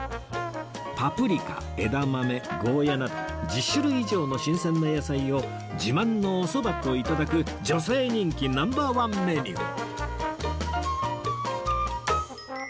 パプリカ枝豆ゴーヤなど１０種類以上の新鮮な野菜を自慢のおそばと頂く女性人気ナンバーワンメニュー